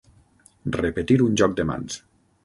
Repetir un joc de mans.